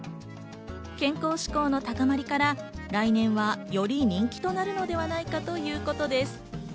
健康志向の高まりから来年はより人気となるのではないか？ということです。